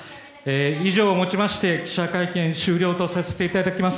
以上をもちまして記者会見終了とさせていただきます。